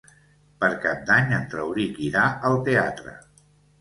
Per Cap d'Any en Rauric irà al teatre.